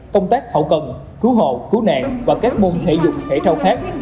công tác hậu cần cứu hộ cứu nạn và các môn thể dục thể thao khác